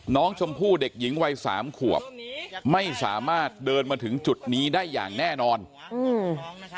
น้องชมพู่เด็กหญิงวัยสามขวบไม่สามารถเดินมาถึงจุดนี้ได้อย่างแน่นอนอืม